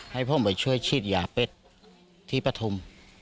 ให้ผมไปช่วยฉีดยาเป็ดที่ปฐุม